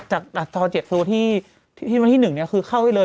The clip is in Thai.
จากตอน๗คือว่าที่๑คือเข้าไว้เลย